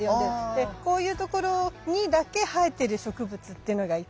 でこういう所にだけ生えてる植物ってのがいて。